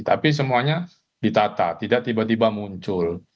tapi semuanya ditata tidak tiba tiba muncul